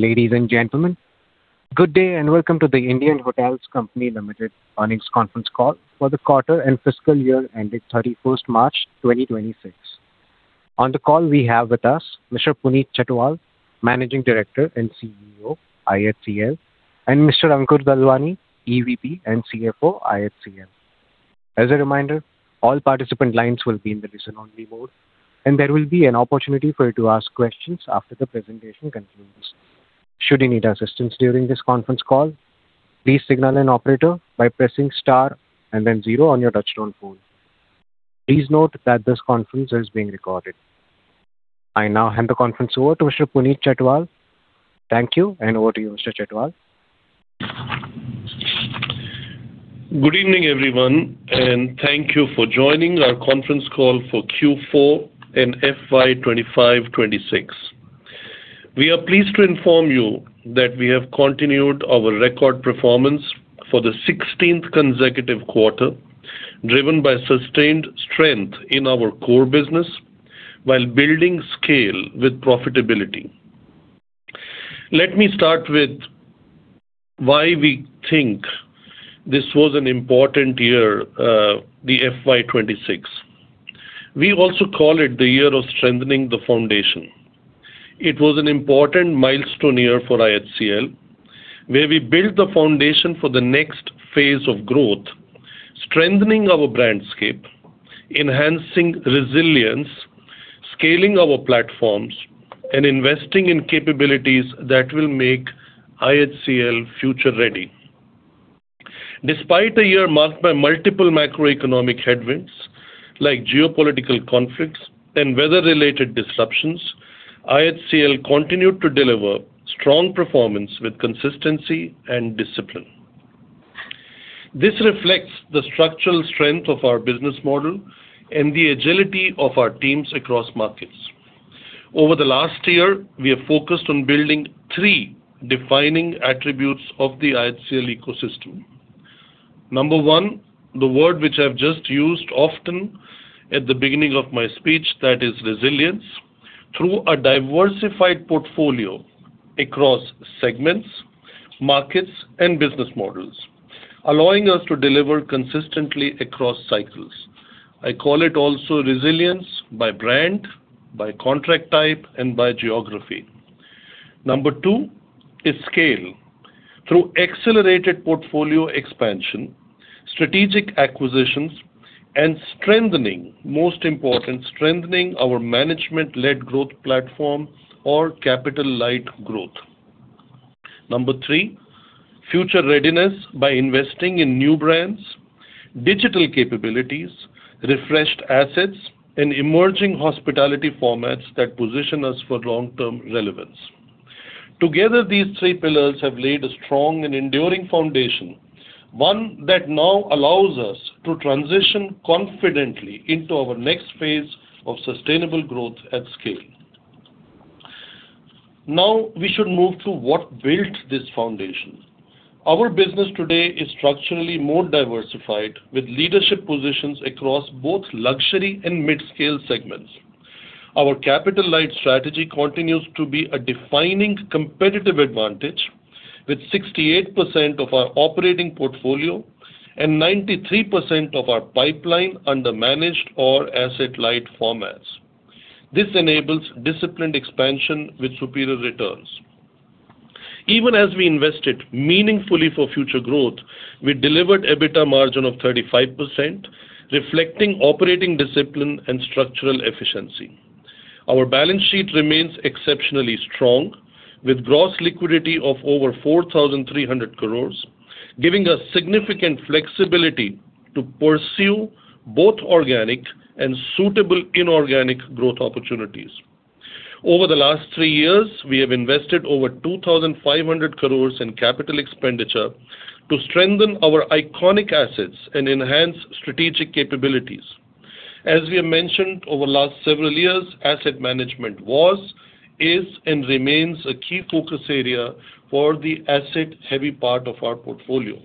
Ladies and gentlemen, good day and welcome to The Indian Hotels Company Limited Earnings conference call for the quarter and fiscal year ending 31st March 2026. On the call we have with us Mr. Puneet Chhatwal, Managing Director and CEO, IHCL, and Mr. Ankur Dalwani, EVP and CFO, IHCL. As a reminder, all participant lines will be in the listen only mode, and there will be an opportunity for you to ask questions after the presentation concludes. Should you need assistance during this conference call, please signal an operator by pressing star and then zero on your touch tone phone. Please note that this conference is being recorded. I now hand the conference over to Mr. Puneet Chhatwal. Thank you, and over to you, Mr. Chhatwal. Good evening, everyone, thank you for joining our Conference Call for Q4 and FY 2025, 2026. We are pleased to inform you that we have continued our record performance for the sixteenth consecutive quarter, driven by sustained strength in our core business while building scale with profitability. Let me start with why we think this was an important year, the FY 2026. We also call it the year of strengthening the foundation. It was an important milestone year for IHCL, where we built the foundation for the next phase of growth, strengthening our brandscape, enhancing resilience, scaling our platforms, and investing in capabilities that will make IHCL future-ready. Despite a year marked by multiple macroeconomic headwinds, like geopolitical conflicts and weather-related disruptions, IHCL continued to deliver strong performance with consistency and discipline. This reflects the structural strength of our business model and the agility of our teams across markets. Over the last year, we have focused on building three defining attributes of the IHCL ecosystem. Number one, the word which I've just used often at the beginning of my speech, that is resilience through a diversified portfolio across segments, markets, and business models, allowing us to deliver consistently across cycles. I call it also resilience by brand, by contract type, and by geography. Number two is scale through accelerated portfolio expansion, strategic acquisitions, and strengthening, most important, strengthening our management-led growth platform or capital-light growth. Number three, future readiness by investing in new brands, digital capabilities, refreshed assets, and emerging hospitality formats that position us for long-term relevance. Together, these three pillars have laid a strong and enduring foundation, one that now allows us to transition confidently into our next phase of sustainable growth at scale. Now we should move to what built this foundation. Our business today is structurally more diversified with leadership positions across both luxury and mid-scale segments. Our capital-light strategy continues to be a defining competitive advantage with 68% of our operating portfolio and 93% of our pipeline under managed or asset-light formats. This enables disciplined expansion with superior returns. Even as we invested meaningfully for future growth, we delivered EBITDA margin of 35%, reflecting operating discipline and structural efficiency. Our balance sheet remains exceptionally strong with gross liquidity of over 4,300 crores, giving us significant flexibility to pursue both organic and suitable inorganic growth opportunities. Over the last three years, we have invested over 2,500 crores in capital expenditure to strengthen our iconic assets and enhance strategic capabilities. As we have mentioned over the last several years, asset management was, is, and remains a key focus area for the asset-heavy part of our portfolio.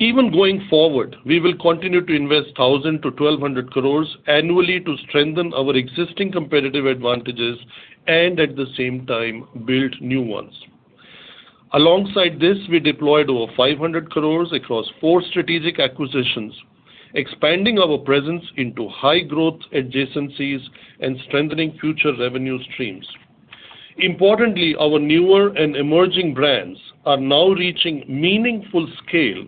Even going forward, we will continue to invest 1,000-1,200 crores annually to strengthen our existing competitive advantages and at the same time build new ones. Alongside this, we deployed over 500 crores across 4 strategic acquisitions, expanding our presence into high-growth adjacencies and strengthening future revenue streams. Importantly, our newer and emerging brands are now reaching meaningful scale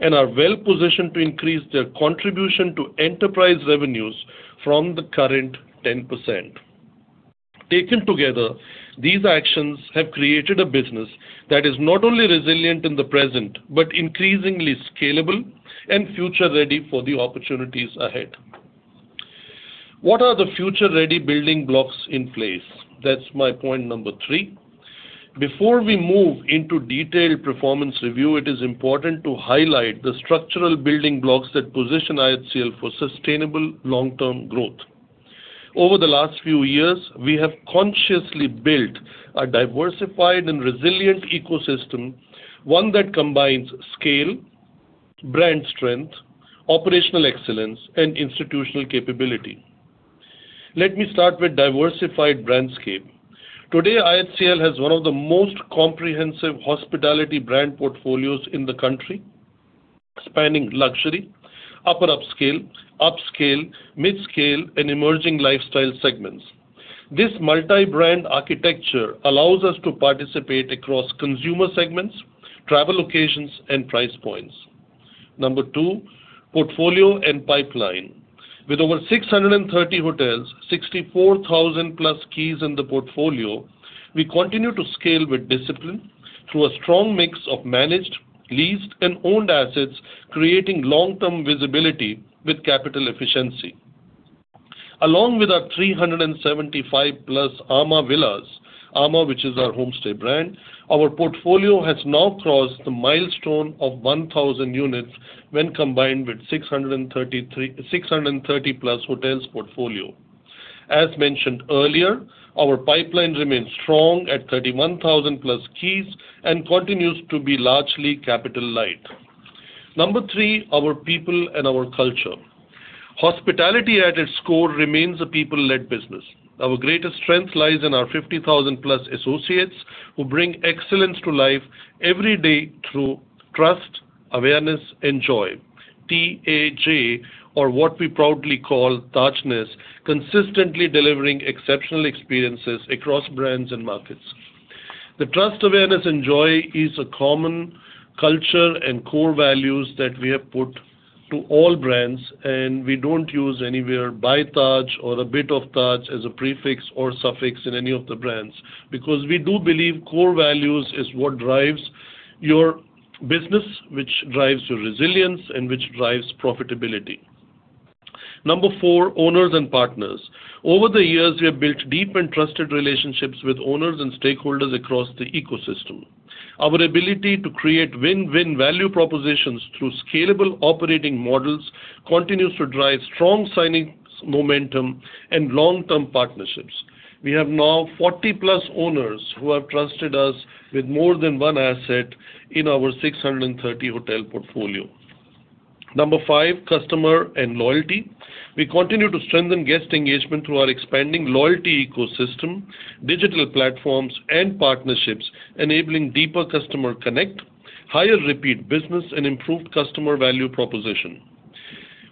and are well-positioned to increase their contribution to enterprise revenues from the current 10%. Taken together, these actions have created a business that is not only resilient in the present, but increasingly scalable and future-ready for the opportunities ahead. What are the future-ready building blocks in place? That's my point number three. Before we move into detailed performance review, it is important to highlight the structural building blocks that position IHCL for sustainable long-term growth. Over the last few years, we have consciously built a diversified and resilient ecosystem, one that combines scale, brand strength, operational excellence, and institutional capability. Let me start with diversified brandscape. Today, IHCL has one of the most comprehensive hospitality brand portfolios in the country, spanning luxury, upper upscale, mid scale, and emerging lifestyle segments. This multi-brand architecture allows us to participate across consumer segments, travel locations, and price points. Number two, portfolio, and pipeline. With over 630 hotels, 64,000-plus keys in the portfolio, we continue to scale with discipline through a strong mix of managed, leased, and owned assets, creating long-term visibility with capital efficiency. Along with our 375-plus amã Villas, amã, which is our home stay brand, our portfolio has now crossed the milestone of 1,000 units when combined with 630-plus hotels portfolio. As mentioned earlier, our pipeline remains strong at 31,000-plus keys and continues to be largely capital light. Number three, our people, and our culture. Hospitality at its core remains a people-led business. Our greatest strength lies in our 50,000-plus associates who bring excellence to life every day through trust, awareness, and joy. TAJ, or what we proudly call Tajness, consistently delivering exceptional experiences across brands and markets. The trust, awareness, and joy is a common culture and core values that we have put to all brands. We don't use anywhere by TAJ or a bit of TAJ as a prefix or suffix in any of the brands, because we do believe core values is what drives your business, which drives your resilience and which drives profitability. Number four, owners, and partners. Over the years, we have built deep and trusted relationships with owners and stakeholders across the ecosystem. Our ability to create win-win value propositions through scalable operating models continues to drive strong signings momentum and long-term partnerships. We have now 40-plus owners who have trusted us with more than one asset in our 630 hotel portfolio. Number five, customer, and loyalty. We continue to strengthen guest engagement through our expanding loyalty ecosystem, digital platforms, and partnerships enabling deeper customer connect, higher repeat business, and improved customer value proposition.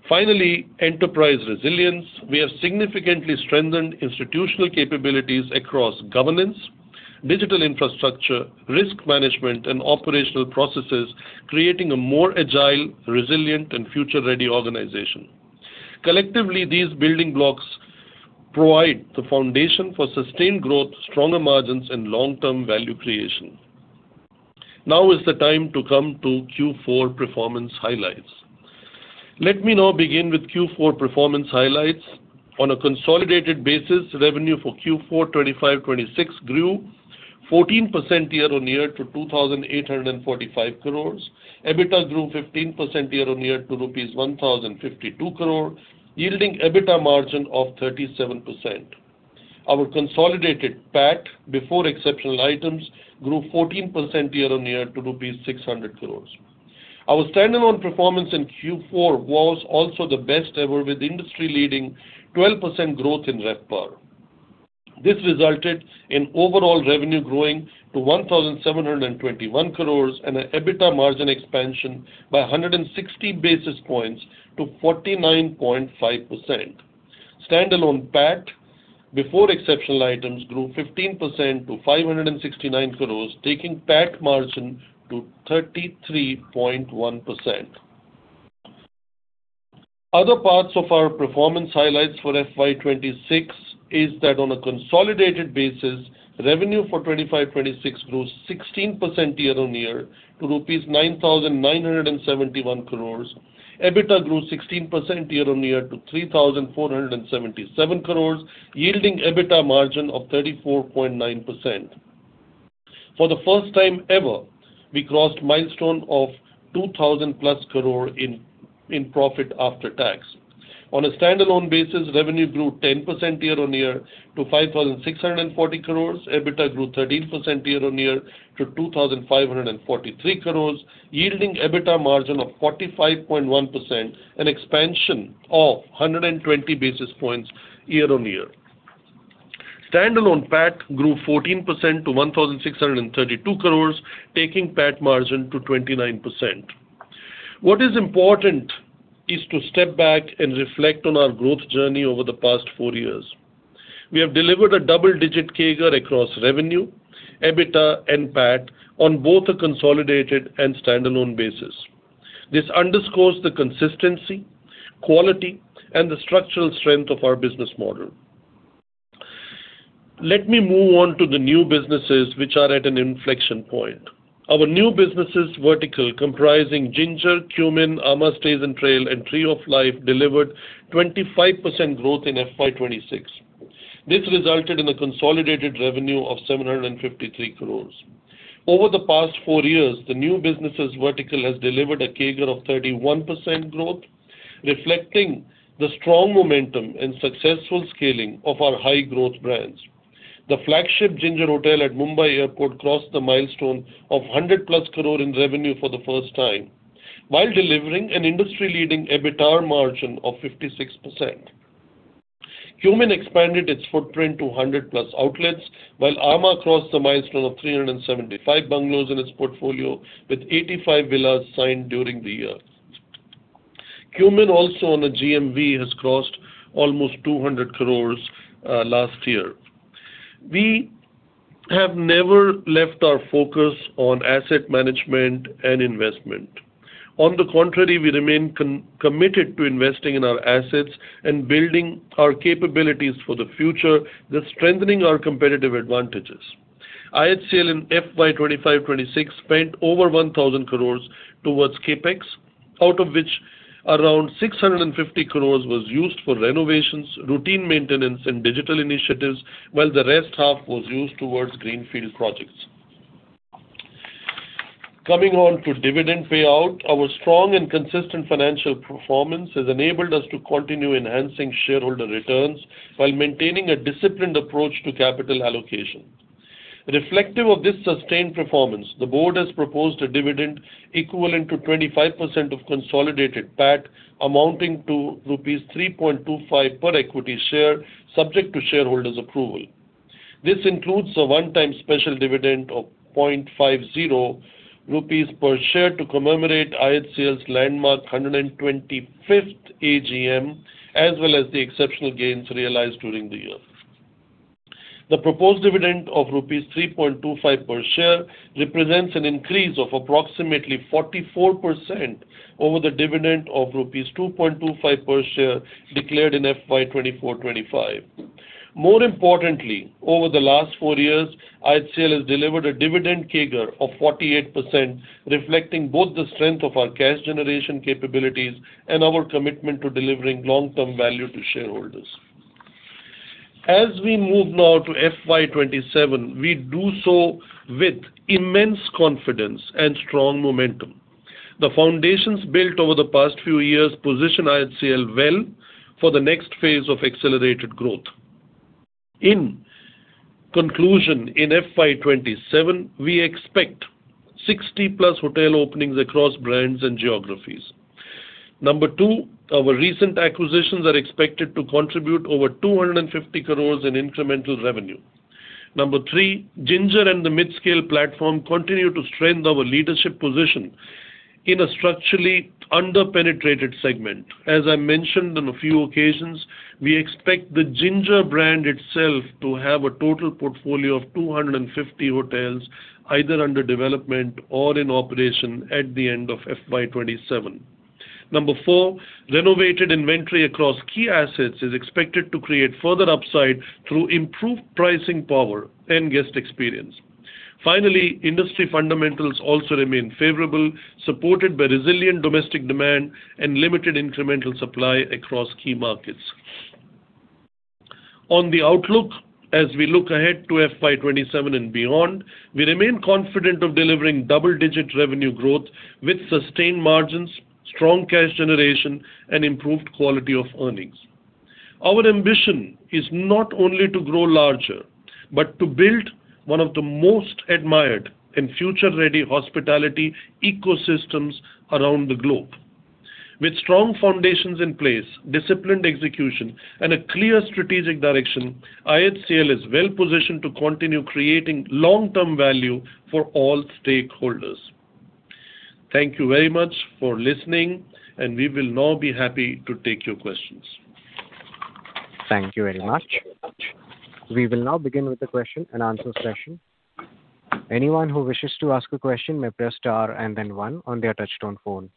Finally, enterprise resilience. We have significantly strengthened institutional capabilities across governance, digital infrastructure, risk management, and operational processes, creating a more agile, resilient, and future-ready organization. Collectively, these building blocks provide the foundation for sustained growth, stronger margins, and long-term value creation. Now is the time to come to Q4 performance highlights. Let me now begin with Q4 performance highlights. On a consolidated basis, revenue for Q4 25/26 grew 14% year-on-year to 2,845 crores. EBITDA grew 15% year-on-year to rupees 1,052 crores, yielding EBITDA margin of 37%. Our consolidated PAT before exceptional items grew 14% year-on-year to rupees 600 crores. Our standalone performance in Q4 was also the best ever with industry-leading 12% growth in RevPAR. This resulted in overall revenue growing to 1,721 crores and a EBITDA margin expansion by 160 basis points to 49.5%. Standalone PAT before exceptional items grew 15% to 569 crores, taking PAT margin to 33.1%. Other parts of our performance highlights for FY 2026 is that on a consolidated basis, revenue for 2025/2026 grew 16% year-on-year to rupees 9,971 crores. EBITDA grew 16% year-on-year to 3,477 crores, yielding EBITDA margin of 34.9%. For the first time ever, we crossed milestone of 2,000+ crores in profit after tax. On a standalone basis, revenue grew 10% year-on-year to 5,640 crores. EBITDA grew 13% year-on-year to 2,543 crores, yielding EBITDA margin of 45.1%, an expansion of 120 basis points year-on-year. Standalone PAT grew 14% to 1,632 crores, taking PAT margin to 29%. What is important is to step back and reflect on our growth journey over the past four years. We have delivered a double-digit CAGR across revenue, EBITDA, and PAT on both a consolidated and standalone basis. This underscores the consistency, quality, and the structural strength of our business model. Let me move on to the new businesses which are at an inflection point. Our new businesses vertical comprising Ginger, Qmin, amã Stays & Trails, and Tree of Life delivered 25% growth in FY 2026. This resulted in a consolidated revenue of 753 crores. Over the past four years, the new businesses vertical has delivered a CAGR of 31% growth, reflecting the strong momentum and successful scaling of our high-growth brands. The flagship Ginger Mumbai, Airport crossed the milestone of 100+ crores in revenue for the first time while delivering an industry-leading EBITDA margin of 56%. Qmin expanded its footprint to 100+ outlets, while amã crossed the milestone of 375 bungalows in its portfolio with 85 villas signed during the year. Qmin also on a GMV has crossed almost 200 crores last year. We have never left our focus on asset management and investment. On the contrary, we remain committed to investing in our assets and building our capabilities for the future, thus strengthening our competitive advantages. IHCL in FY 2025, 2026 spent over 1,000 crores towards CapEx, out of which around 650 crores was used for renovations, routine maintenance and digital initiatives, while the rest half was used towards greenfield projects. Coming on to dividend payout, our strong, and consistent financial performance has enabled us to continue enhancing shareholder returns while maintaining a disciplined approach to capital allocation. Reflective of this sustained performance, the board has proposed a dividend equivalent to 25% of consolidated PAT amounting to rupees 3.25 per equity share, subject to shareholders' approval. This includes a one-time special dividend of 0.50 rupees per share to commemorate IHCL's landmark 125th AGM, as well as the exceptional gains realized during the year. The proposed dividend of rupees 3.25 per share represents an increase of approximately 44% over the dividend of rupees 2.25 per share declared in FY 2024, 2025. More importantly, over the last four years, IHCL has delivered a dividend CAGR of 48%, reflecting both the strength of our cash generation capabilities and our commitment to delivering long-term value to shareholders. As we move now to FY 2027, we do so with immense confidence and strong momentum. The foundations built over the past few years position IHCL well for the next phase of accelerated growth. In conclusion, in FY 2027, we expect 60-plus hotel openings across brands and geographies. Number two, our recent acquisitions are expected to contribute over 250 crores in incremental revenue. Number three, Ginger, and the mid-scale platform continue to strengthen our leadership position in a structurally under-penetrated segment. As I mentioned on a few occasions, we expect the Ginger brand itself to have a total portfolio of 250 hotels either under development or in operation at the end of FY 2027. Number four, renovated inventory across key assets is expected to create further upside through improved pricing power and guest experience. Finally, industry fundamentals also remain favorable, supported by resilient domestic demand and limited incremental supply across key markets. On the outlook, as we look ahead to FY 2027 and beyond, we remain confident of delivering double-digit revenue growth with sustained margins, strong cash generation and improved quality of earnings. Our ambition is not only to grow larger, but to build one of the most admired and future-ready hospitality ecosystems around the globe. With strong foundations in place, disciplined execution and a clear strategic direction, IHCL is well positioned to continue creating long-term value for all stakeholders. Thank you very much for listening, and we will now be happy to take your questions. Thank you very much. We will now begin with the question and answer session. Anyone who wishes to ask a question may press star and then one on their touch-tone phone.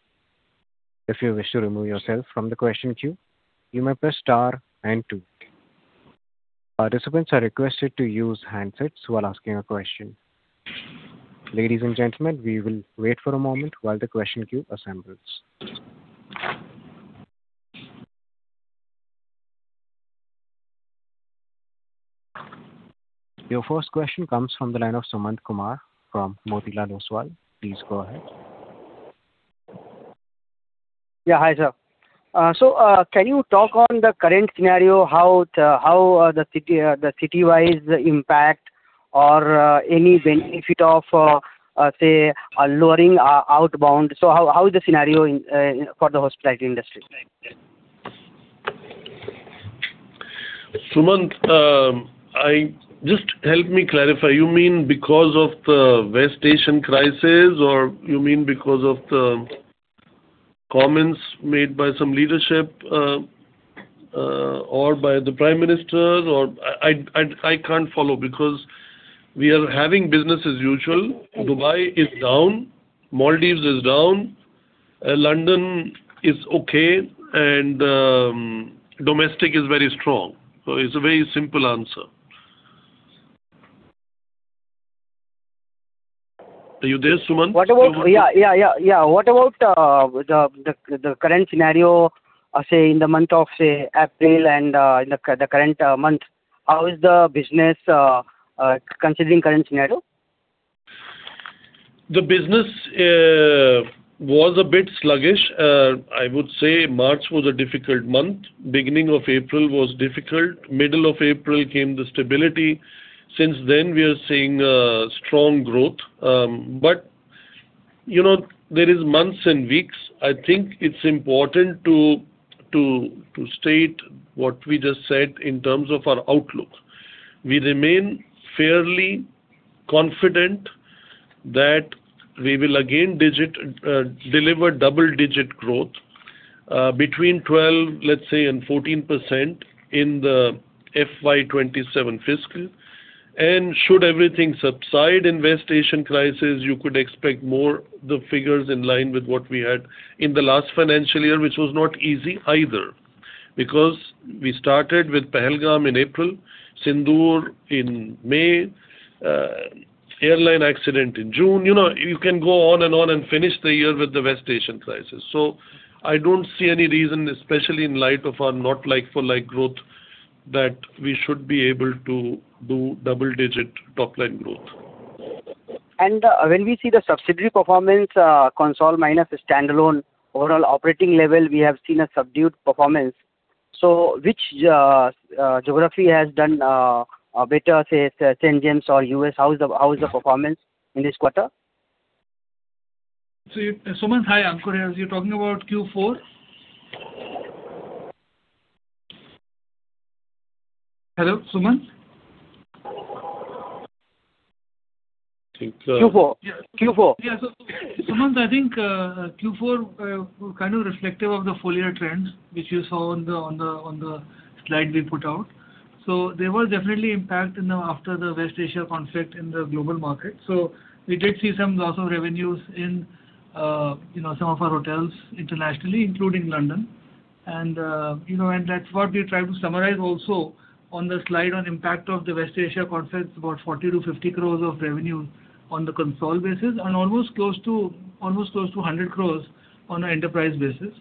If you wish to remove yourself from the question queue, you may press star and two. Participants are requested to use handsets while asking a question. Ladies and gentlemen, we will wait for a moment while the question queue assembles. Your first question comes from the line of Sumant Kumar from Motilal Oswal. Please go ahead. Yeah. Hi, sir. Can you talk on the current scenario how the city, the city-wide impact or any benefit of say lowering outbound? How is the scenario in for the hospitality industry? Sumant, just help me clarify. You mean because of the West Asian crisis, or you mean because of the comments made by some leadership, or by the Prime Minister? I can't follow because we are having business as usual. Dubai is down, Maldives is down, London is okay, and domestic is very strong. It's a very simple answer. Are you there, Sumant? What about the current scenario, in the month of April and in the current month? How is the business considering current scenario? The business was a bit sluggish. I would say March was a difficult month. Beginning of April was difficult. Middle of April came the stability. Since then, we are seeing strong growth. You know, there is months and weeks. I think it's important to state what we just said in terms of our outlook. We remain fairly confident that we will again deliver double-digit growth between 12%-14% in the FY 2027 fiscal. Should everything subside in West Asian crisis, you could expect more the figures in line with what we had in the last financial year, which was not easy either. We started with Pahalgam in April, Sindoor in May, airline accident in June. You know, you can go on and on and finish the year with the West Asian crisis. I don't see any reason, especially in light of our not like for like growth, that we should be able to do double-digit top-line growth. When we see the subsidiary performance, consol minus standalone overall operating level, we have seen a subdued performance. Which geography has done better, say, St. James or U.S.? How is the performance in this quarter? Sumant. Hi, Ankur here. You're talking about Q4? Hello, Suman? I think. Q4. Yeah. Sumant, I think Q4 kind of reflective of the full year trends which you saw on the slide we put out. There was definitely impact after the West Asia conflict in the global market. We did see some loss of revenues in, you know, some of our hotels internationally, including London. That's what we try to summarize also on the slide on impact of the West Asia conflict, about 40 crores-50 crores of revenue on the consolidated basis. Almost close to 100 crores on an enterprise basis,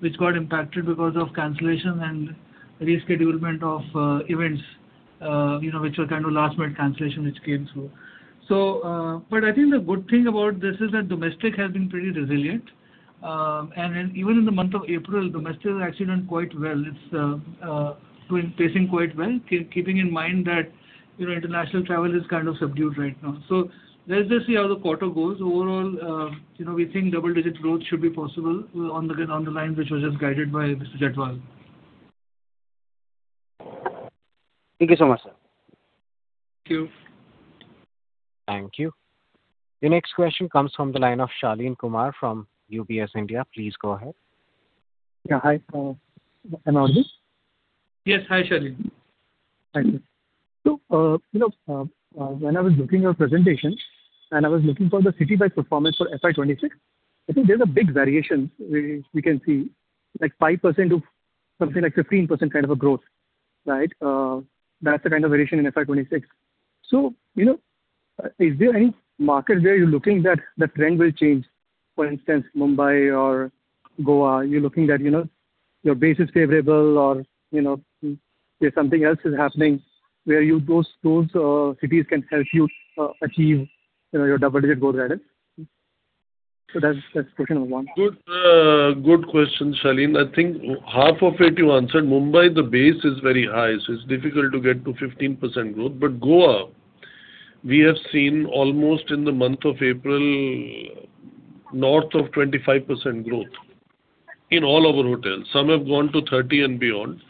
which got impacted because of cancellation and rescheduling of events, you know, which were kind of last-minute cancellation which came through. I think the good thing about this is that domestic has been pretty resilient. Even in the month of April, domestic has actually done quite well. It's been pacing quite well, keeping in mind that, you know, international travel is kind of subdued right now. Let's just see how the quarter goes. Overall, you know, we think double-digit growth should be possible on the lines which was just guided by Puneet Chhatwal. Thank you so much, sir. Thank you. Thank you. The next question comes from the line of Shaleen Kumar from UBS India. Please go ahead. Yeah. Hi. Am I audible? Yes. Hi, Shaleen. Thank you. You know, when I was looking at your presentation and I was looking for the city by performance for FY 2026, I think there's a big variation we can see, like 5%-15% kind of a growth, right? That's the kind of variation in FY 2026. You know, is there any market where you're looking that the trend will change? For instance, Mumbai or Goa, you're looking that, you know, your base is favorable or, you know, if something else is happening where those cities can help you achieve, you know, your double-digit growth guidance. That's question number one. Good, good question, Shaleen. I think half of it you answered. Mumbai, the base is very high, it's difficult to get to 15% growth. Goa, we have seen almost in the month of April, north of 25% growth in all of our hotels. Some have gone to 30 and beyond.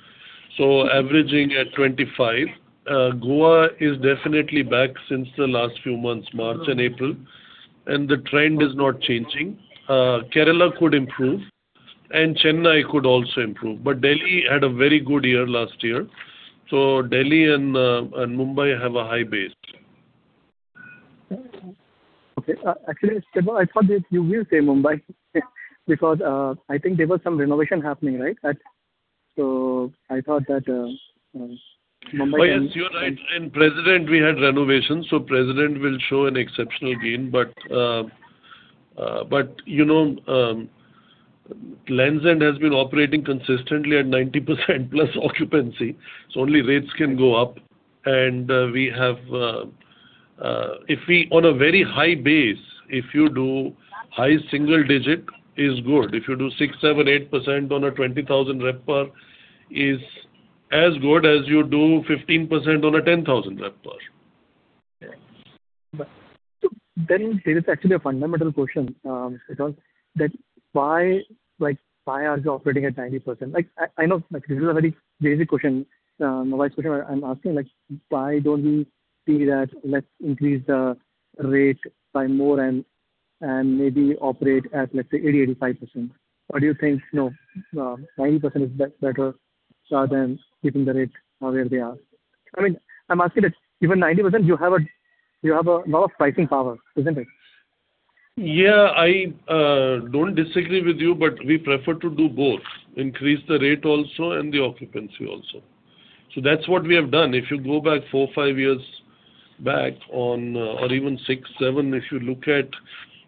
Averaging at 25. Goa is definitely back since the last few months, March, and April, and the trend is not changing. Kerala could improve and Chennai could also improve. Delhi had a very good year last year. Delhi and Mumbai have a high base. Okay. Actually, Puneet, I thought that you will say Mumbai because, I think there was some renovation happening, right? I thought that, Mumbai. Yes, you're right. In President we had renovations, President will show an exceptional gain. You know, Lands End has been operating consistently at 90%+ occupancy, only rates can go up. We have, on a very high base, if you do high single digit is good. If you do 6%, 7%, 8% on a 20,000 RevPAR is as good as you do 15% on a 10,000 RevPAR. Yeah. There is actually a fundamental question, Puneet, that why, like, why are you operating at 90%? I know, like, this is a very basic question, a wise question, but I'm asking, like, why don't we see that let's increase the rate by more and maybe operate at, let's say, 80%-85%? Do you think no, 90% is better than keeping the rate where they are? I mean, I'm asking that even 90% you have a lot of pricing power, isn't it? I don't disagree with you, but we prefer to do both, increase the rate also and the occupancy also. That's what we have done. If you go back four, five years back or even six, seven, if you look at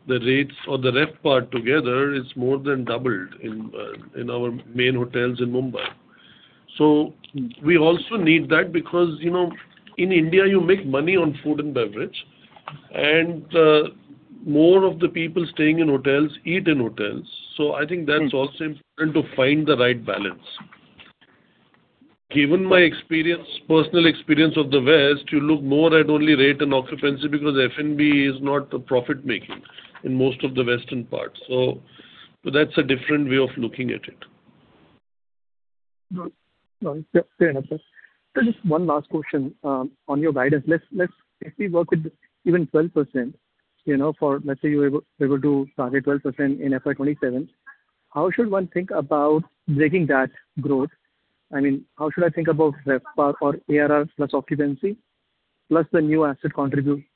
the rates or the RevPAR together, it's more than doubled in our main hotels in Mumbai. We also need that because, you know, in India you make money on food and beverage, and more of the people staying in hotels eat in hotels. I think that's also important to find the right balance. Given my personal experience of the West, you look more at only rate and occupancy because F&B is not profit-making in most of the Western parts. That's a different way of looking at it. No. No. Fair enough, sir. Just one last question on your guidance. Let's if we work with even 12%, you know, for let's say you were able to target 12% in FY 2027, how should one think about breaking that growth? I mean, how should I think about RevPAR or ARR plus occupancy, plus the new asset contribution,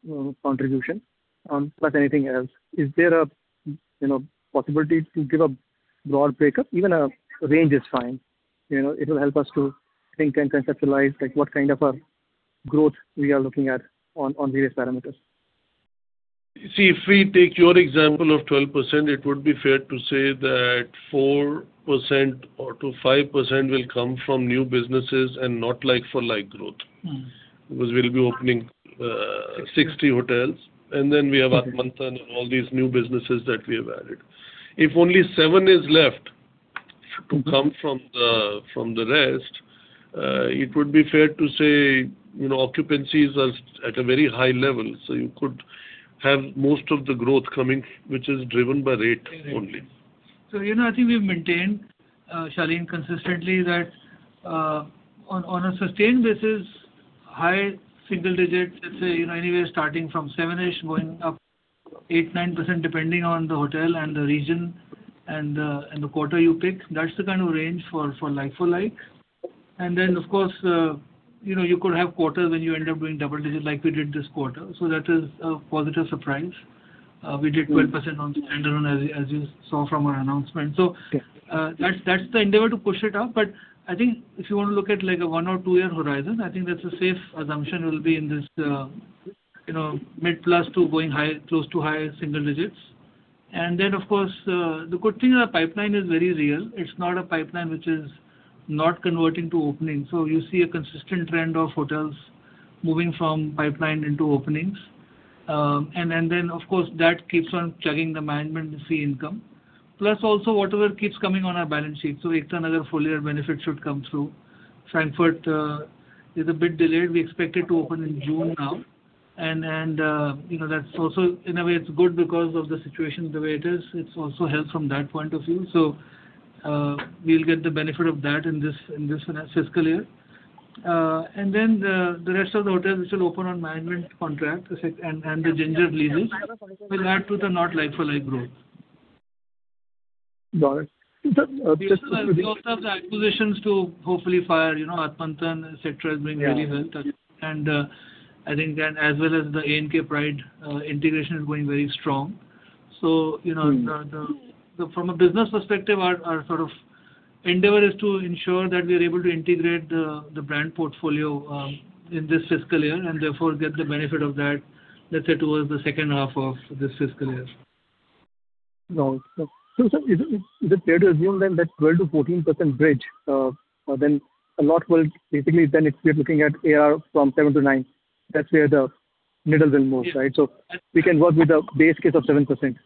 plus anything else? Is there a, you know, possibility to give a broad breakup? Even a range is fine. You know, it will help us to think and conceptualize, like, what kind of a growth we are looking at on various parameters. See, if we take your example of 12%, it would be fair to say that 4% or to 5% will come from new businesses and not like-for-like growth. We'll be opening 60 hotels, and then we have Atmantan and all these new businesses that we have added. If only 7 is left to come from the rest, it would be fair to say, you know, occupancy's are at a very high level, so you could have most of the growth coming, which is driven by rate only. You know, I think we've maintained, Shaleen, consistently that on a sustained basis, high single digits, let's say anywhere starting from 7-ish going up 8%, 9%, depending on the hotel and the region and the quarter you pick. That's the kind of range for like-for-like. Of course, you know, you could have quarters when you end up doing double digits like we did this quarter. That is a positive surprise. We did 12% on stand-alone as you saw from our announcement. That's the endeavor to push it up. I think if you want to look at like a 1 or 2-year horizon, I think that's a safe assumption will be in this, you know, mid plus to going close to high single digits. Of course, the good thing in our pipeline is very real. It's not a pipeline which is not converting to opening. You see a consistent trend of hotels moving from pipeline into openings. Of course, that keeps on chugging the management fee income. Whatever keeps coming on our balance sheet. Yet another full year benefit should come through. Frankfurt is a bit delayed. We expect it to open in June now. You know, that's also in a way it's good because of the situation the way it is. It also helps from that point of view. We'll get the benefit of that in this fiscal year. And then the rest of the hotels which will open on management contract and the Ginger leases will add to the not like-for-like growth. Got it. We also have the acquisitions to hopefully fire, you know, Atmantan et cetera is being really well touched. I think then as well as the ANK and Pride integration is going very strong. You know, from a business perspective, our sort of endeavor is to ensure that we are able to integrate the brand portfolio in this fiscal year and therefore get the benefit of that, let's say, towards the second half of this fiscal year. Sir, is it, is it fair to assume that 12% to 14% bridge, if we're looking at ARR from seven to nine, that's where the needle will move, right? We can work with a base case of 7%.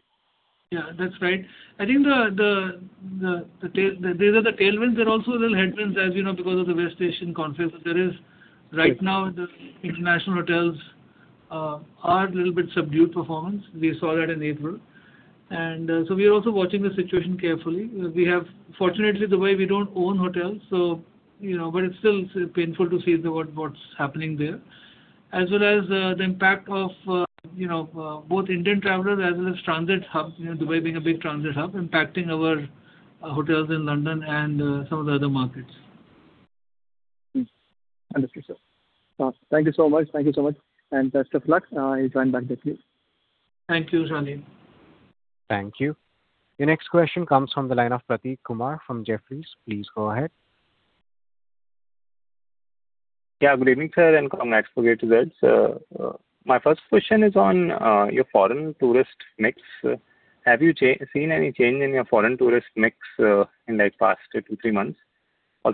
Yeah, that's right. I think these are the tailwinds. There are also little headwinds, as you know, because of the West Asian conflict that there is. Right now, the international hotels are a little bit subdued performance. We saw that in April. We are also watching the situation carefully. Fortunately, the way we don't own hotels, you know, but it's still painful to see what's happening there. As well as the impact of both Indian travelers as well as transit hub, Dubai being a big transit hub impacting our hotels in London and some of the other markets. Understood, sir. Thank you so much. Thank you so much, and best of luck. I'll join back with you. Thank you, Shaleen. Thank you. Your next question comes from the line of Prateek Kumar from Jefferies. Please go ahead. Good evening, sir, and congrats for great results. My first question is on your foreign tourist mix. Have you seen any change in your foreign tourist mix in like past two, three months?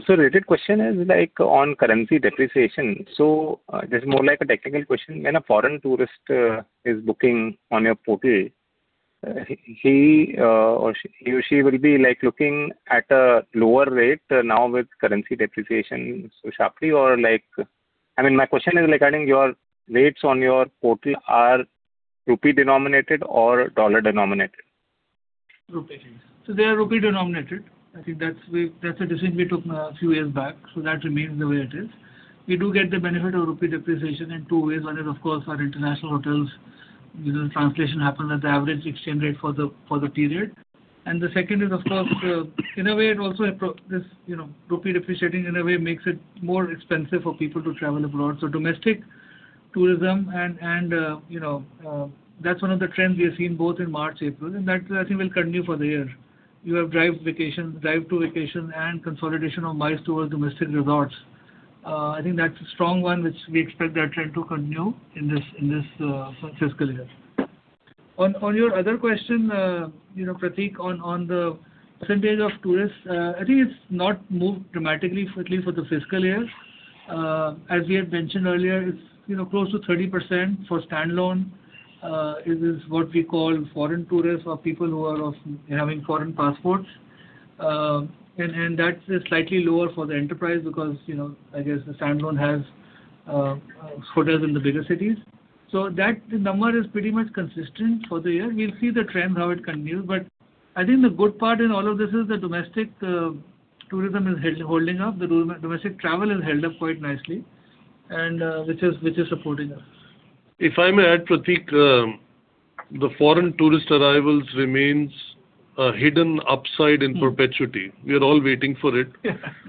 Related question is like on currency depreciation. This is more like a technical question. When a foreign tourist is booking on your portal, he, or she, he, or she will be like looking at a lower rate now with currency depreciation sharply or like I mean, my question is regarding your rates on your portal are rupee-denominated or dollar-denominated? Rupee. They are rupee-denominated. I think that's a decision we took a few years back, so that remains the way it is. We do get the benefit of rupee depreciation in two ways. One is, of course, our international hotels. Usually translation happens at the average exchange rate for the period. The second is, of course, in a way it also, you know, rupee depreciating in a way makes it more expensive for people to travel abroad. Domestic tourism and, you know, that's one of the trends we have seen both in March, April, and that I think will continue for the year. You have drive vacations, drive-to vacation and consolidation of miles towards domestic resorts. I think that's a strong one which we expect that trend to continue in this, in this fiscal year. On your other question, you know, Prateek, on the percentage of tourists, I think it's not moved dramatically, at least for the fiscal years. As we had mentioned earlier, it's, you know, close to 30% for standalone. It is what we call foreign tourists or people who are having foreign passports. And that's slightly lower for the enterprise because, you know, I guess the standalone has hotels in the bigger cities. That number is pretty much consistent for the year. We'll see the trend, how it continues. I think the good part in all of this is the domestic tourism is holding up. The domestic travel has held up quite nicely and which is supporting us. If I may add, Prateek, the foreign tourist arrivals remains a hidden upside in perpetuity. We are all waiting for it.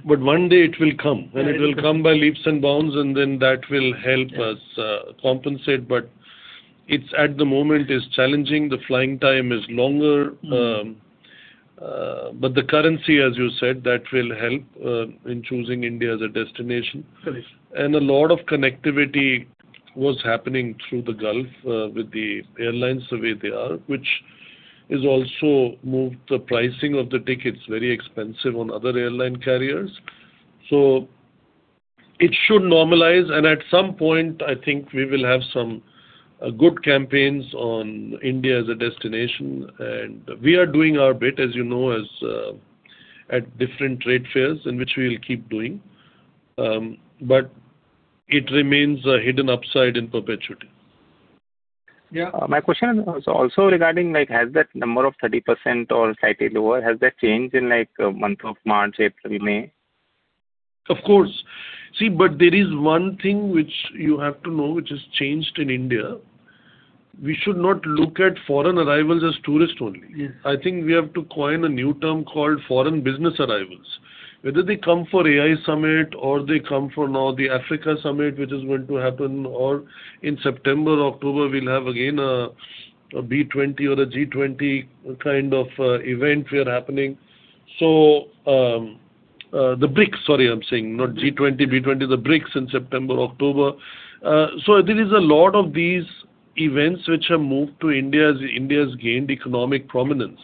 One day it will come, and it will come by leaps and bounds, and then that will help us compensate. At the moment it's challenging. The flying time is longer. But the currency, as you said, that will help in choosing India as a destination. Correct. A lot of connectivity was happening through the Gulf, with the airlines the way they are, which has also moved the pricing of the tickets, very expensive on other airline carriers. It should normalize, and at some point I think we will have some good campaigns on India as a destination. We are doing our bit, as you know, as at different trade fairs, and which we will keep doing. But it remains a hidden upside in perpetuity. Yeah. My question is also regarding, like, has that number of 30% or slightly lower, has that changed in, like, month of March, April, May? Of course. See, there is one thing which you have to know which has changed in India. We should not look at foreign arrivals as tourists only. Yes. I think we have to coin a new term called foreign business arrivals. Whether they come for AI summit or they come for now the Africa summit, which is going to happen, or in September, October, we'll have again a B20 or a G20 kind of event we are happening. The BRICS, sorry I'm saying, not G20, B20. The BRICS in September, October. There is a lot of these events which have moved to India as India's gained economic prominence.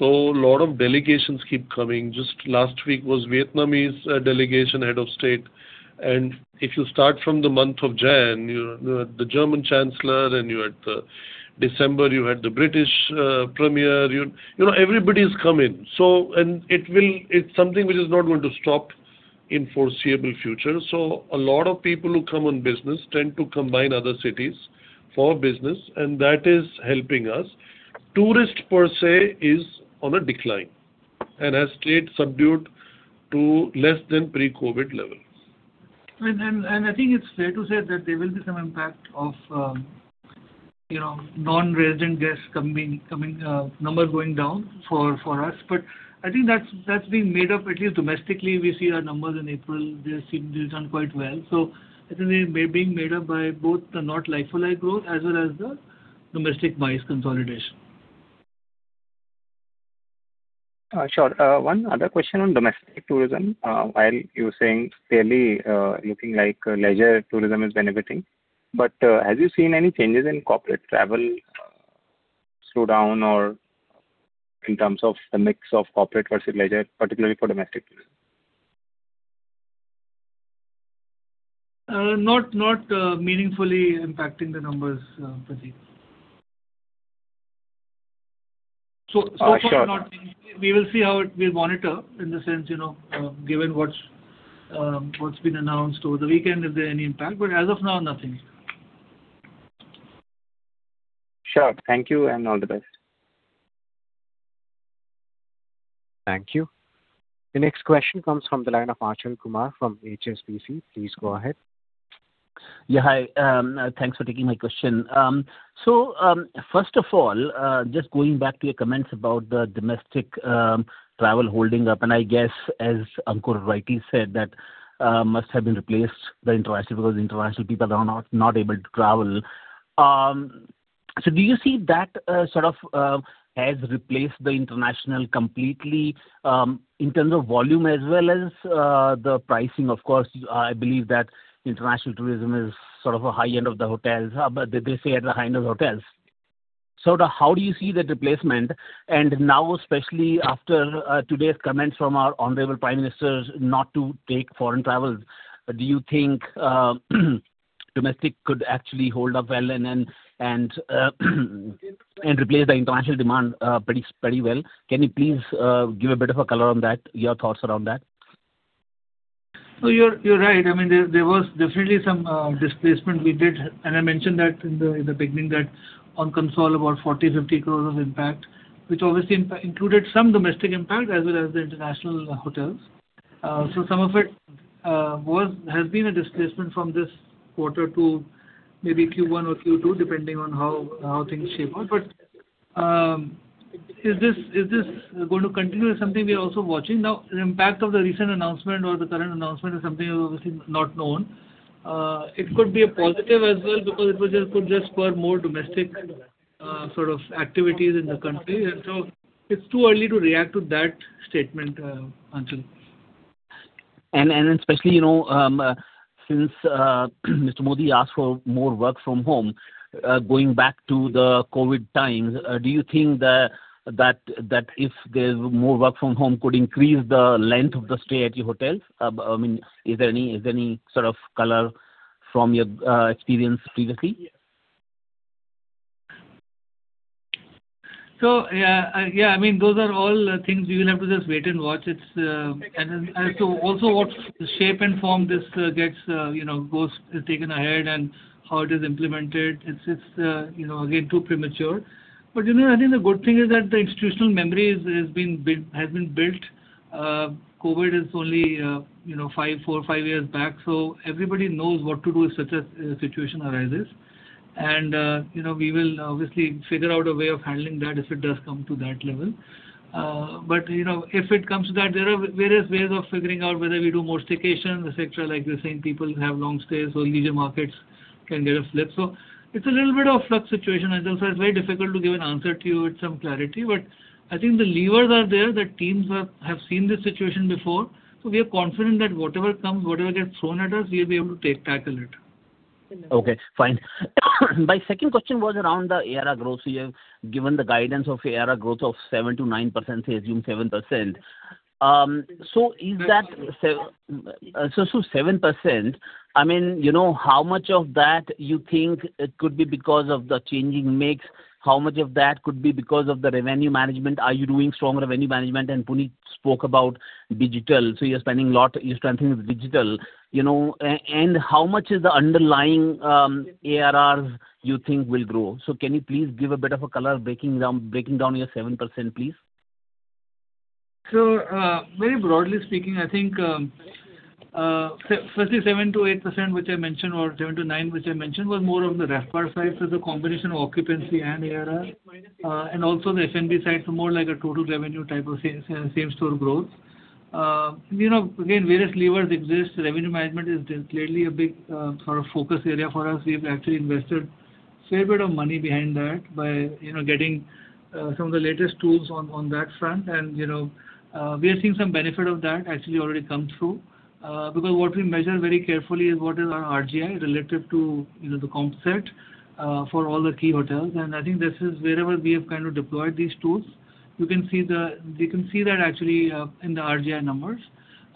A lot of delegations keep coming. Just last week was Vietnamese delegation head of state. If you start from the month of January, you had the German chancellor, and you had December, you had the British premier. You know, everybody's come in. It's something which is not going to stop in foreseeable future. A lot of people who come on business tend to combine other cities for business, and that is helping us. Tourist per sale is on a decline and has stayed subdued to less than pre-COVID levels. I think it's fair to say that there will be some impact of, you know, non-resident guests coming number going down for us. I think that's been made up, at least domestically we see our numbers in April, they seem to have done quite well. I think they're being made up by both the not like-for-like growth as well as the domestic bias consolidation. Sure. One other question on domestic tourism. While you're saying clearly, looking like leisure tourism is benefiting, but, have you seen any changes in corporate travel slow down or in terms of the mix of corporate versus leisure, particularly for domestic tourism? Not meaningfully impacting the numbers, Prateek, so far not. All right. Sure. We will see we'll monitor in the sense, you know, given what's been announced over the weekend if there are any impact. As of now, nothing. Sure. Thank you and all the best. Thank you. The next question comes from the line of Achal Kumar from HSBC. Please go ahead. Yeah. Hi. Thanks for taking my question. First of all, just going back to your comments about the domestic travel holding up, I guess as Ankur rightly said, that must have been replaced the international because international people are not able to travel. Do you see that sort of has replaced the international completely in terms of volume as well as the pricing? Of course, I believe that international tourism is sort of a high end of the hotels. But they stay at the high-end hotels. How do you see the replacement? Now, especially after today's comments from our honorable prime minister not to take foreign travels, do you think domestic could actually hold up well and then replace the international demand pretty well? Can you please give a bit of a color on that, your thoughts around that? You're, you're right. I mean, there was definitely some displacement we did. I mentioned that in the, in the beginning that on console about 40-50 crores of impact, which obviously included some domestic impact as well as the international hotels. Some of it has been a displacement from this quarter to maybe Q1 or Q2, depending on how things shape out. Is this going to continue? Is something we are also watching. The impact of the recent announcement or the current announcement is something obviously not known. It could be a positive as well because it could just spur more domestic sort of activities in the country. It's too early to react to that statement, Achal. Especially, you know, since Mr. Modi asked for more work from home, going back to the COVID times, do you think if there's more work from home could increase the length of the stay at your hotels? I mean, is there any sort of color from your experience previously? Yeah, yeah, I mean, those are all things we will have to just wait and watch. It's also what shape and form this gets, you know, goes, is taken ahead and how it is implemented. It's, it's, you know, again, too premature. You know, I think the good thing is that the institutional memory is, has been built. COVID is only, you know, five, four, five years back, so everybody knows what to do if such a situation arises. You know, we will obviously figure out a way of handling that if it does come to that level. You know, if it comes to that, there are various ways of figuring out whether we do more stay cations, et cetera, like you're saying, people have long stays, so leisure markets can get a flip. It's a little bit of flux situation, Achal. It's very difficult to give an answer to you with some clarity. I think the levers are there. The teams have seen this situation before. We are confident that whatever comes, whatever gets thrown at us, we'll be able to tackle it. Okay, fine. My second question was around the ARR growth. You have given the guidance of ARR growth of 7% to 9%, say assume 7%. Is that 7%, I mean, you know, how much of that you think it could be because of the changing mix? How much of that could be because of the revenue management? Are you doing strong revenue management? Puneet spoke about digital, so you're spending a lot you're strengthening digital, you know. How much is the underlying ARRs you think will grow? Can you please give a bit of a color breaking down your 7%, please? Very broadly speaking, I think, firstly 7% to 8%, which I mentioned, or 7% to 9%, which I mentioned, was more on the RevPAR side. It's a combination of occupancy and ARR. Also the F&B side, so more like a total revenue type of same store growth. You know, again, various levers exist. Revenue management is clearly a big sort of focus area for us. We've actually invested fair bit of money behind that by, you know, getting some of the latest tools on that front. You know, we are seeing some benefit of that actually already come through. Because what we measure very carefully is what is our RGI related to, you know, the comp set for all the key hotels. I think this is wherever we have kind of deployed these tools, you can see that actually in the RGI numbers.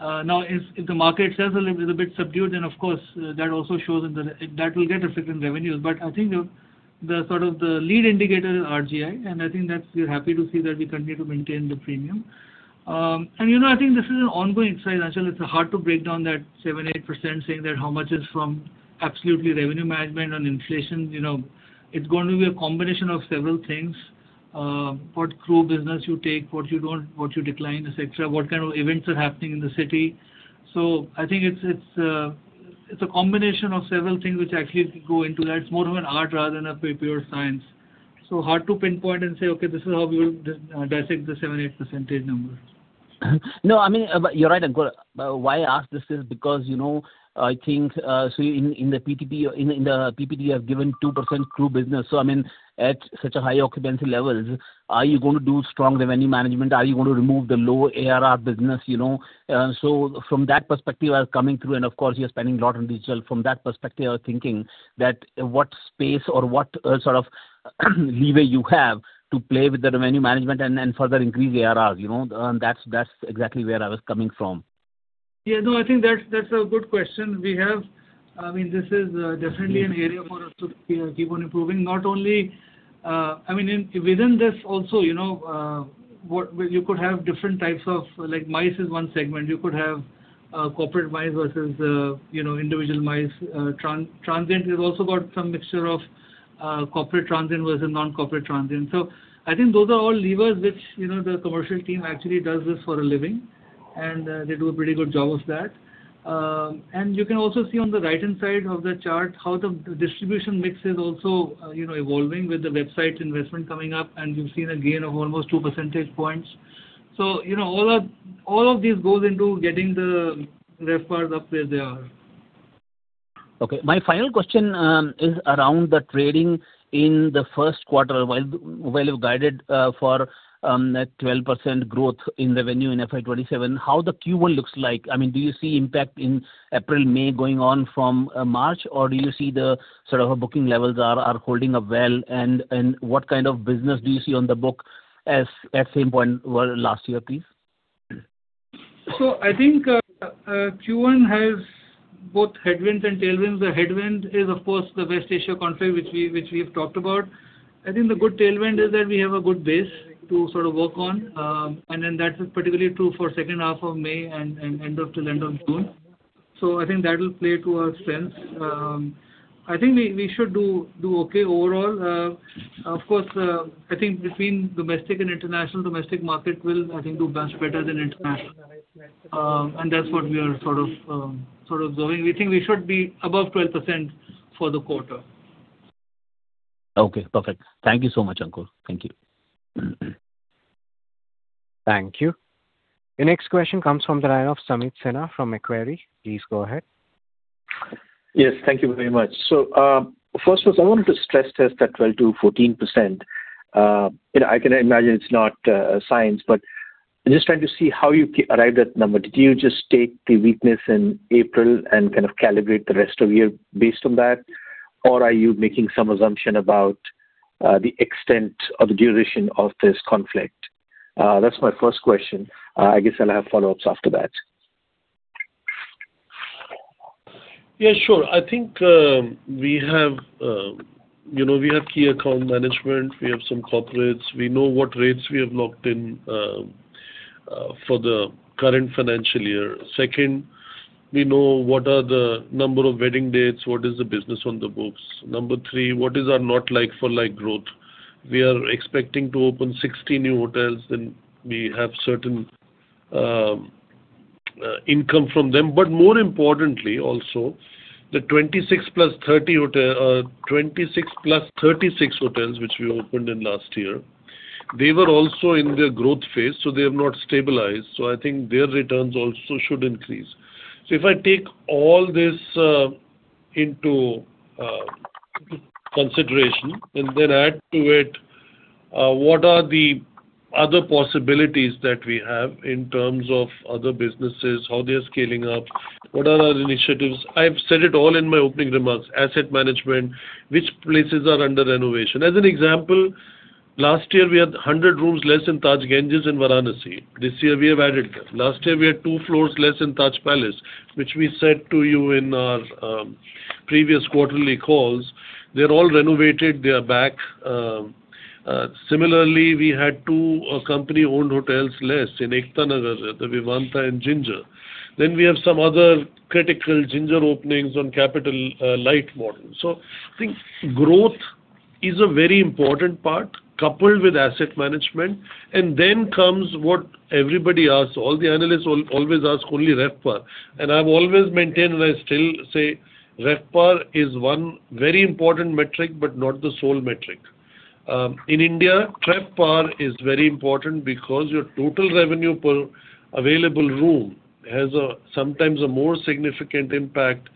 Now if the market itself is a bit subdued, then of course, that also shows in the that will get reflected in revenues. I think, you know, the sort of the lead indicator is RGI, and I think that's we're happy to see that we continue to maintain the premium. You know, I think this is an ongoing exercise, Achal. It's hard to break down that 7%-8% saying that how much is from absolutely revenue management and inflation. You know, it's going to be a combination of several things. What crew business you take, what you don't, what you decline, et cetera. What kind of events are happening in the city. I think it's a combination of several things which actually go into that. It's more of an art rather than a pure science. Hard to pinpoint and say, "Okay, this is how we will dissect the 7%-8% numbers." No, I mean, you're right, Ankur. Why I ask this is because, you know, I think, in the PTP or in the PPD you have given 2% crew business. I mean, at such a high occupancy levels, are you gonna do strong revenue management? Are you gonna remove the low ARR business, you know? From that perspective I was coming through, and of course you're spending a lot on digital. From that perspective, I was thinking that what space or what, sort of lever you have to play with the revenue management and then further increase ARRs, you know? That's exactly where I was coming from. Yeah. No, I think that's a good question. We have. I mean, this is definitely an area for us to keep on improving. Not only, I mean, within this also, you know, well, you could have different types of, like MICE is one segment. You could have corporate MICE versus, you know, individual MICE. Transient has also got some mixture of corporate transient versus non-corporate transient. I think those are all levers which, you know, the commercial team actually does this for a living, and they do a pretty good job of that. You can also see on the right-hand side of the chart how the distribution mix is also, you know, evolving with the website investment coming up, and we've seen a gain of almost 2% points. You know, all of this goes into getting the RevPARs up where they are. Okay. My final question is around the trading in the 1st quarter. While you've guided for a 12% growth in revenue in FY 2027, how the Q1 looks like? I mean, do you see impact in April, May going on from March? Or do you see the sort of booking levels are holding up well? And what kind of business do you see on the book as at same point last year, please? Q1 has both headwinds and tailwinds. The headwind is of course the West Asia conflict which we have talked about. The good tailwind is that we have a good base to sort of work on. That is particularly true for second half of May and end of till end of June. That will play to our strengths. We should do okay overall. Of course, I think between domestic and international, domestic market will I think do much better than international. And that's what we are sort of doing. We think we should be above 12% for the quarter. Okay. Perfect. Thank you so much, Ankur. Thank you. Thank you. The next question comes from the line of Sameet Sinha from Macquarie. Please go ahead. Yes, thank you very much. First was I wanted to stress test that 12%-14%. You know, I can imagine it's not a science, but I'm just trying to see how you arrived at number. Did you just take the weakness in April and kind of calibrate the rest of year based on that? Or are you making some assumption about the extent or the duration of this conflict? That's my first question. I guess I'll have follow-ups after that. Yeah, sure. I think, you know, we have key account management. We have some corporates. We know what rates we have locked in for the current financial year. Second, we know what are the number of wedding dates, what is the business on the books. Number three, what is our not like for like growth. We are expecting to open 60 new hotels, then we have certain income from them. More importantly, also, the 26-plus 36 hotels which we opened in last year, they were also in their growth phase, so they have not stabilized. I think their returns also should increase. If I take all this into consideration and then add to it, what are the other possibilities that we have in terms of other businesses, how they are scaling up, what are our initiatives? I have said it all in my opening remarks, asset management, which places are under renovation. As an example, last year we had 100 rooms less in Taj Ganges in Varanasi. This year we have added that. Last year we had 2 floors less in Taj Palace, which we said to you in our previous quarterly calls. They are all renovated, they are back. Similarly, we had 2 company-owned hotels less in Ekta Nagar at the Vivanta and Ginger. We have some other critical Ginger openings on capital light model. I think growth is a very important part coupled with asset management. Then comes what everybody asks, all the analysts always ask only RevPAR. I've always maintained, and I still say RevPAR is one very important metric, but not the sole metric. In India, RevPAR is very important because your total revenue per available room has a sometimes a more significant impact,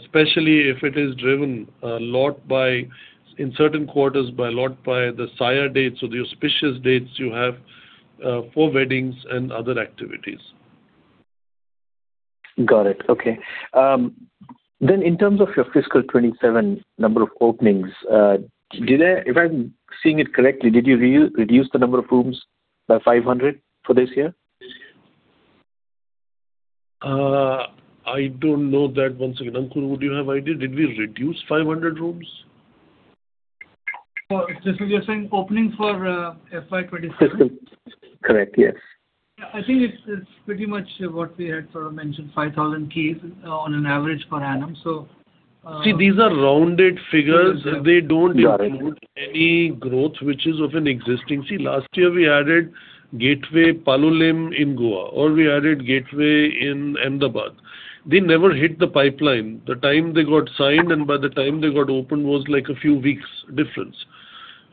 especially if it is driven in certain quarters by a lot by the saaya dates or the auspicious dates you have for weddings and other activities. Got it. Okay. In terms of your fiscal 27 number of openings, If I'm seeing it correctly, did you re-reduce the number of rooms by 500 for this year? I don't know that. Once again, Ankur, would you have idea? Did we reduce 500 rooms? You're saying opening for, FY 2027? Correct, yes. I think it's pretty much what we had sort of mentioned, 5,000 keys on an average per annum. See, these are rounded figures. Got it. They don't gain any growth Last year we added Gateway Palolem in Goa, or we added Gateway in Ahmedabad. They never hit the pipeline. The time they got signed and by the time they got opened was like a few weeks difference.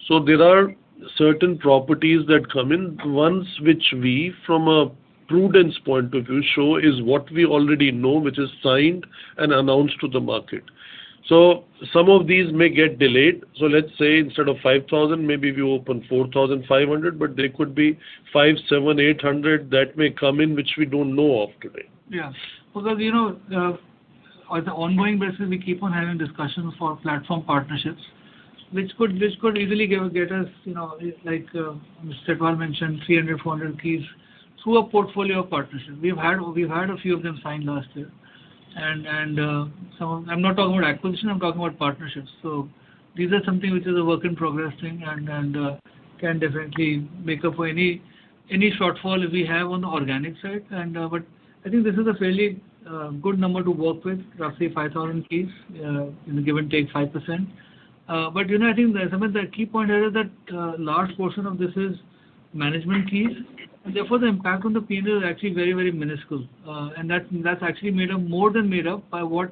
There are certain properties that come in, ones which we, from a prudence point of view, show is what we already know, which is signed and announced to the market. Some of these may get delayed. Let's say instead of 5,000, maybe we open 4,500, but there could be 500, 700, 800 that may come in which we don't know of today. Yeah. Because, you know, on an ongoing basis, we keep on having discussions for platform partnerships, which could easily get us, you know, like Mr. Pal mentioned, 300, 400 keys through a portfolio of partnerships. We've had a few of them signed last year. I'm not talking about acquisition, I'm talking about partnerships. These are something which is a work in progress thing and can definitely make up for any shortfall if we have on the organic side. I think this is a fairly good number to work with, roughly 5,000 keys, you know, give or take 5%. You know, I mean, the key point here is that a large portion of this is management keys, and therefore the impact on the P&L is actually very, very minuscule. And that's actually more than made up by what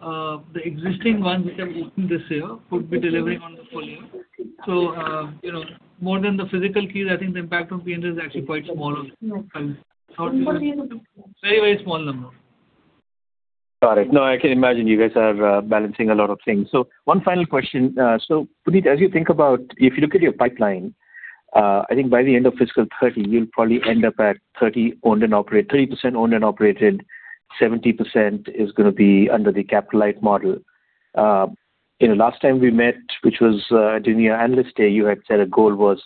the existing ones which have opened this year could be delivering on the full year. More than the physical keys, I think the impact on P&L is actually quite small on the whole thing. Very, very small number. Got it. No, I can imagine you guys are balancing a lot of things. One final question. Puneet, as you think about if you look at your pipeline, I think by the end of fiscal 2030, you'll probably end up at 30 owned and operated 30% owned and operated, 70% is gonna be under the capital light model. You know, last time we met, which was during your Analyst Day, you had said a goal was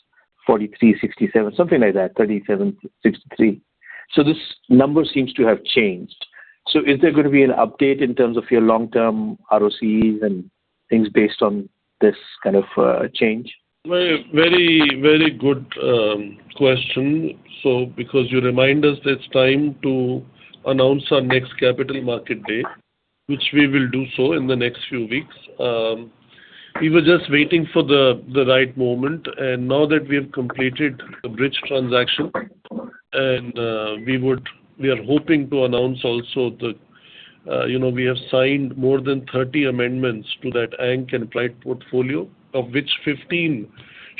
43%, 67%, something like that, 37%, 63%. This number seems to have changed. Is there gonna be an update in terms of your long-term ROCEs and things based on this kind of change? Very good question. Because you remind us that it's time to announce our next capital market date, which we will do so in the next few weeks. We were just waiting for the right moment. Now that we have completed the bridge transaction, we are hoping to announce also that, you know, we have signed more than 30 amendments to that ANK and Pride portfolio, of which 15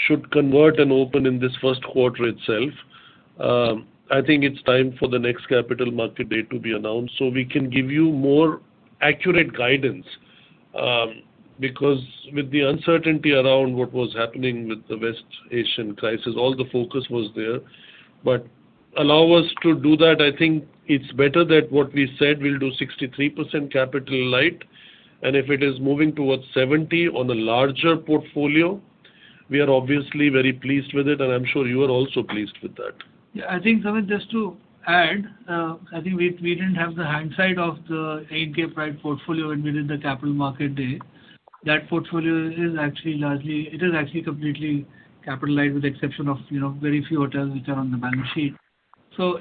should convert and open in this 1st quarter itself. I think its time for the next capital market date to be announced so we can give you more accurate guidance. Because with the uncertainty around what was happening with the West Asian crisis, all the focus was there. Allow us to do that. I think it's better that what we said we'll do 63% capital light. If it is moving towards 70 on a larger portfolio, we are obviously very pleased with it. I'm sure you are also pleased with that. I think, Sameet, just to add, I think we didn't have the hindsight of the ANK Pride portfolio when we did the capital market day. That portfolio is actually completely capitalized with the exception of, you know, very few hotels which are on the balance sheet.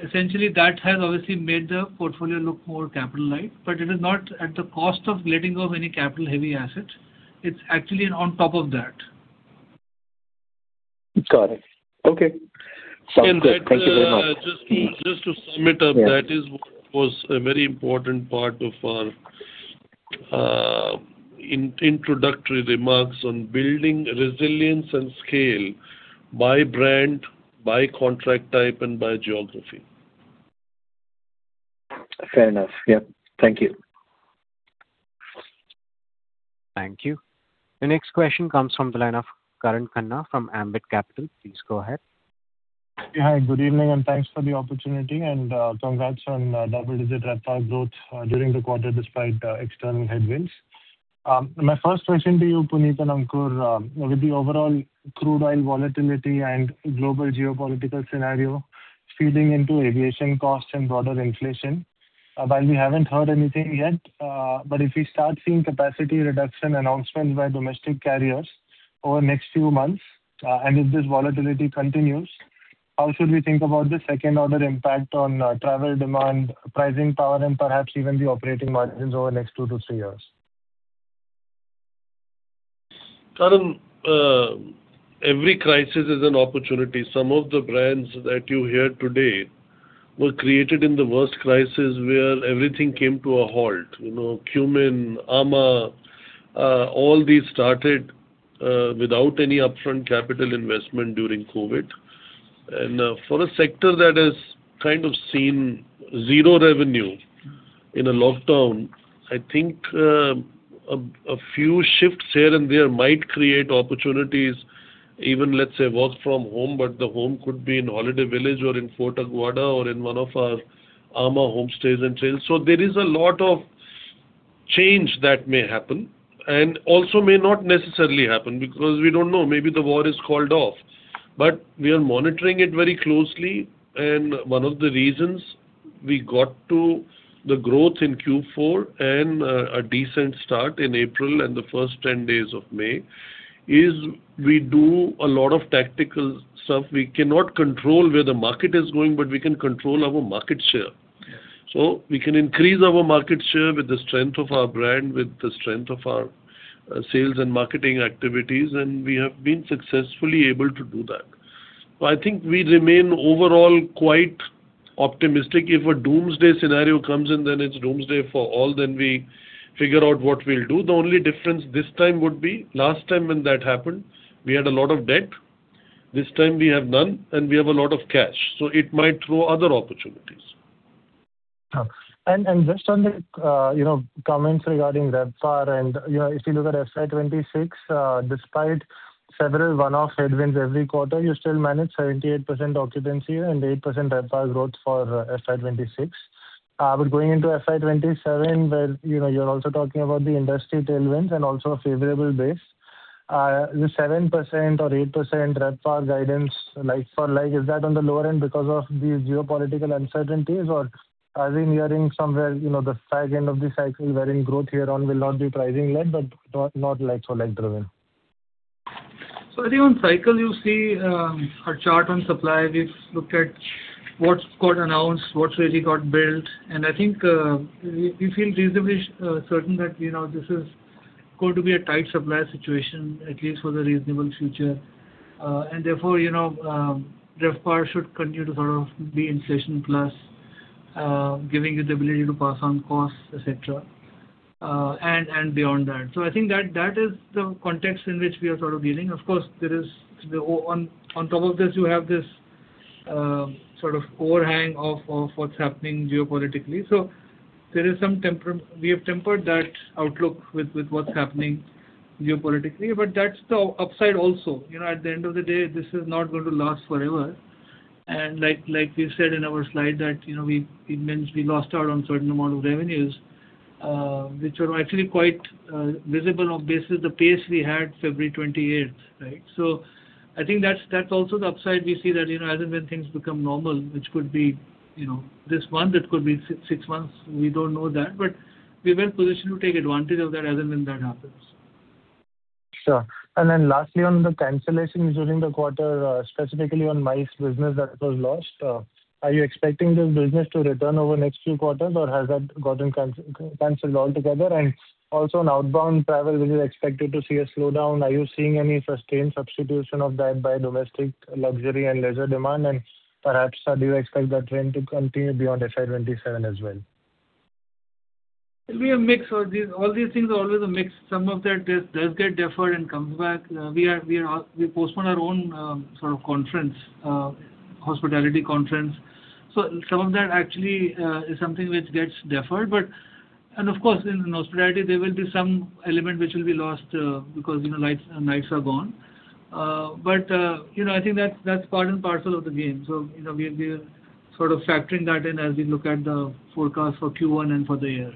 Essentially, that has obviously made the portfolio look more capital-light, but it is not at the cost of letting go of any capital-heavy assets. It's actually on top of that. Got it. Okay. Sounds good. Thank you very much. I just to sum it up. Yeah. That is what was a very important part of our introductory remarks on building resilience and scale by brand, by contract type, and by geography. Fair enough. Yeah. Thank you. Thank you. The next question comes from the line of Karan Khanna from Ambit Capital. Please go ahead. Hi, good evening, and thanks for the opportunity. Congrats on double-digit RevPAR growth during the quarter despite external headwinds. My first question to you, Puneet and Ankur, with the overall crude oil volatility and global geopolitical scenario feeding into aviation costs and broader inflation, while we haven't heard anything yet, if we start seeing capacity reduction announcements by domestic carriers over the next few months, if this volatility continues, how should we think about the second-order impact on travel demand, pricing power, and perhaps even the operating margins over the next two to three years? Karan, every crisis is an opportunity. Some of the brands that you hear today were created in the worst crisis where everything came to a halt. You know, Qmin, amã, all these started without any upfront capital investment during COVID. For a sector that has kind of seen zero revenue in a lockdown, I think a few shifts here and there might create opportunities even, let's say, work from home, but the home could be in Holiday Village or in Fort Aguada or in one of our amã Stays & Trails. There is a lot of change that may happen and also may not necessarily happen because we don't know, maybe the war is called off. We are monitoring it very closely, and one of the reasons we got to the growth in Q4 and a decent start in April and the first 10 days of May is we do a lot of tactical stuff. We cannot control where the market is going, but we can control our market share. Yeah. We can increase our market share with the strength of our brand, with the strength of our sales and marketing activities, and we have been successfully able to do that. I think we remain overall quite optimistic. If a doomsday scenario comes in, then it's doomsday for all, then we figure out what we'll do. The only difference this time would be last time when that happened, we had a lot of debt. This time we have none, and we have a lot of cash. It might throw other opportunities. Sure. Just on the, you know, comments regarding RevPAR and, you know, if you look at FY 2026, despite several one-off headwinds every quarter, you still managed 78% occupancy and 8% RevPAR growth for FY 2026. Going into FY 2027 where, you know, you're also talking about the industry tailwinds and also a favorable base, the 7% or 8% RevPAR guidance like for like, is that on the lower end because of the geopolitical uncertainties? Or are we nearing somewhere, you know, the far end of the cycle wherein growth hereon will not be pricing-led but not like for like driven? I think on cycle you see our chart on supply. We've looked at what's got announced, what's really got built. I think we feel reasonably certain that, you know, this is going to be a tight supply situation, at least for the reasonable future. Therefore, you know, RevPAR should continue to sort of be inflation plus, giving you the ability to pass on costs, et cetera, and beyond that. I think that is the context in which we are sort of dealing. Of course, there is on top of this you have this sort of overhang of what's happening geopolitically. There is some we have tempered that outlook with what's happening geopolitically. That's the upside also. You know, at the end of the day, this is not going to last forever. Like, like we've said in our slide that, you know, we, it means we lost out on certain amount of revenues, which are actually quite visible on basis the pace we had February 28th, right? I think that's also the upside we see that, you know, as and when things become normal, which could be, you know, this month, it could be six months, we don't know that. We are well-positioned to take advantage of that as and when that happens. Sure. Lastly, on the cancellations during the quarter, specifically on MICE business that was lost, are you expecting this business to return over the next few quarters or has that gotten canceled altogether? Also on outbound travel, which is expected to see a slowdown, are you seeing any sustained substitution of that by domestic luxury and leisure demand? Perhaps, do you expect that trend to continue beyond FY 2027 as well? It'll be a mix of these. All these things are always a mix. Some of that does get deferred and comes back. We postponed our own sort of conference, hospitality conference. Some of that actually is something which gets deferred. Of course, in hospitality there will be some element which will be lost because, you know, fights and nights are gone. You know, I think that's part and parcel of the game. You know, we are sort of factoring that in as we look at the forecast for Q1 and for the year.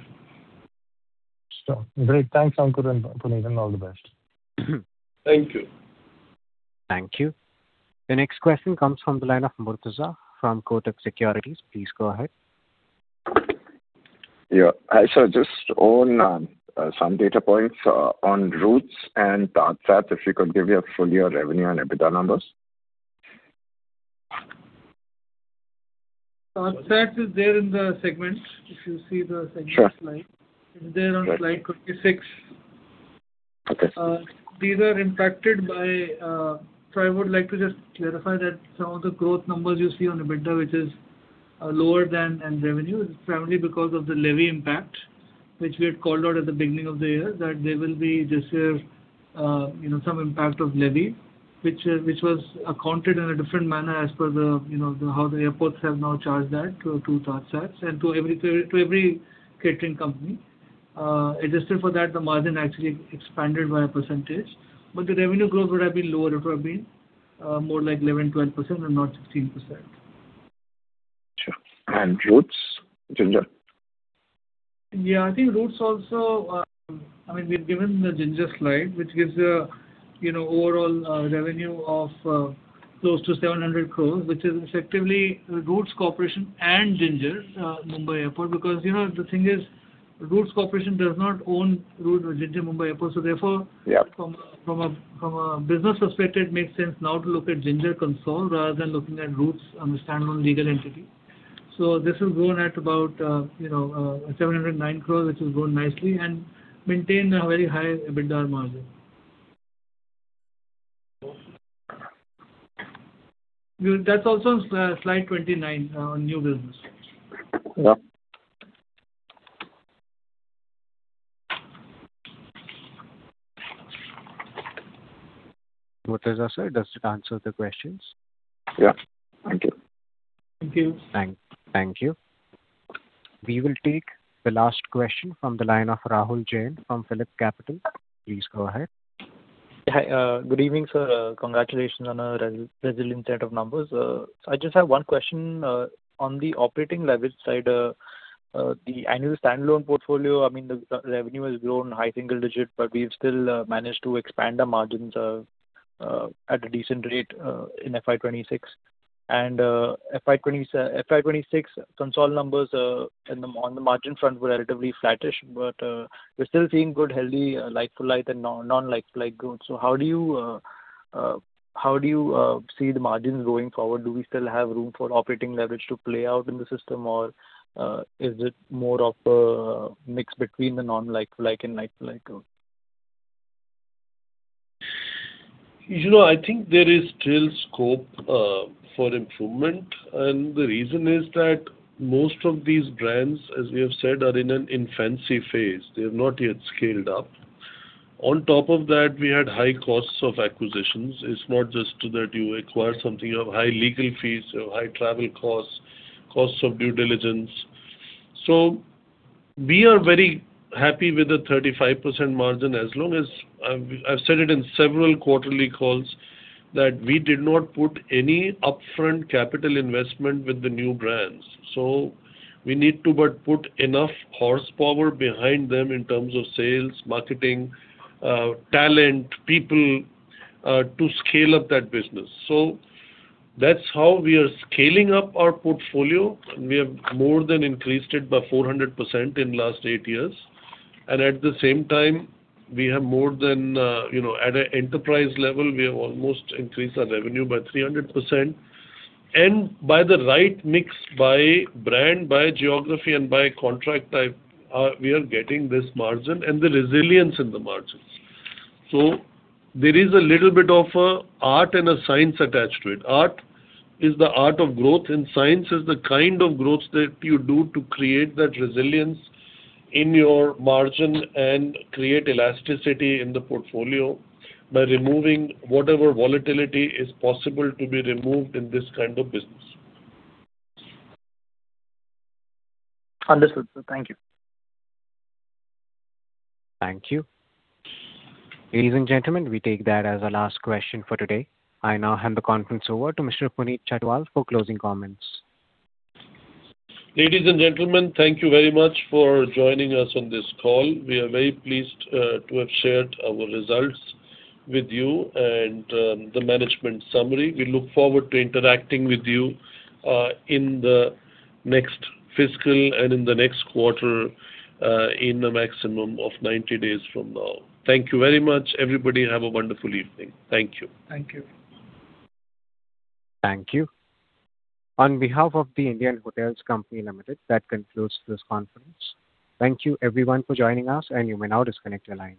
Sure. Great. Thanks, Ankur and Puneet. All the best. Thank you. Thank you. The next question comes from the line of Murtuza from Kotak Securities. Please go ahead. Yeah. Hi, sir. Just on some data points on Roots and TajSATS, if you could give your full-year revenue and EBITDA numbers? TajSATS is there in the segment. If you see the segment slide. Sure. it's there on slide 56. Okay. These are impacted by. I would like to just clarify that some of the growth numbers you see on EBITDA, which is lower than in revenue, is primarily because of the levy impact, which we had called out at the beginning of the year, that there will be this year, you know, some impact of levy, which was accounted in a different manner as per the, you know, the how the airports have now charged that to TajSATS and to every catering company. Adjusted for that, the margin actually expanded by a percentage. The revenue growth would have been lower. It would have been more like 11%, 12% and not 16%. Sure. Roots, Ginger? Yeah. I think Roots also, I mean, we've given the Ginger slide, which gives a, you know, overall revenue of close to 700 crores, which is effectively Roots Corporation and Ginger Mumbai, Airport. You know, the thing is, Roots Corporation does not own Ginger Mumbai, Airport. Yeah. From a business perspective, it makes sense now to look at Ginger console rather than looking at Roots on the standalone legal entity. This has grown at about 709 crores, which has grown nicely and maintained a very high EBITDA margin. That's also slide 29 on new business. Yeah. Murtuza, sir, does it answer the questions? Yeah. Thank you. Thank you. Thank you. We will take the last question from the line of Rahul Jain from PhillipCapital. Please go ahead. Hi. Good evening, sir. Congratulations on a resilient set of numbers. I just have one question on the operating leverage side. The annual standalone portfolio, I mean, the revenue has grown high single-digit, but we've still managed to expand the margins at a decent rate in FY 2026. FY 2026 consolidated numbers on the margin front were relatively flattish. We're still seeing good, healthy like-for-like and non-like-for-like growth. How do you see the margins going forward? Do we still have room for operating leverage to play out in the system or is it more of a mix between the non-like-for-like and like-for-like growth? You know, I think there is still scope for improvement. The reason is that most of these brands, as we have said, are in an infancy phase. They have not yet scaled up. On top of that, we had high costs of acquisitions. It's not just that you acquire something. You have high legal fees, you have high travel costs of due diligence. We are very happy with the 35% margin as long as I've said it in several quarterly calls that we did not put any upfront capital investment with the new brands. We need to but put enough horsepower behind them in terms of sales, marketing, talent, people to scale up that business. That's how we are scaling up our portfolio, and we have more than increased it by 400% in last eight years. At the same time, we have more than, you know, at an enterprise level, we have almost increased our revenue by 300%. By the right mix, by brand, by geography, and by contract type, we are getting this margin and the resilience in the margins. There is a little bit of an art and a science attached to it. Art is the art of growth, and science is the kind of growth that you do to create that resilience in your margin and create elasticity in the portfolio by removing whatever volatility is possible to be removed in this kind of business. Understood, sir. Thank you. Thank you. Ladies and gentlemen, we take that as our last question for today. I now hand the conference over to Mr. Puneet Chhatwal for closing comments. Ladies and gentlemen, thank you very much for joining us on this call. We are very pleased to have shared our results with you and the management summary. We look forward to interacting with you in the next fiscal and in the next quarter, in a maximum of 90 days from now. Thank you very much, everybody. Have a wonderful evening. Thank you. Thank you. Thank you. On behalf of The Indian Hotels Company Limited, that concludes this conference. Thank you everyone for joining us, and you may now disconnect your lines.